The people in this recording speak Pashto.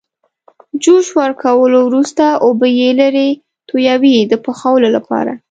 جوش ورکولو وروسته اوبه یې لرې تویوي د پخولو لپاره.